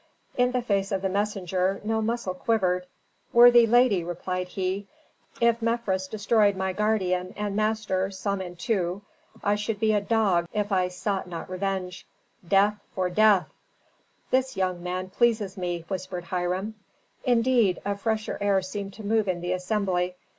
In the face of the messenger no muscle quivered. "Worthy lady," replied he, "if Mefres destroyed my guardian and master, Samentu, I should be a dog if I sought not revenge. Death for death!" "This young man pleases me," whispered Hiram. Indeed a fresher air seemed to move in the assembly.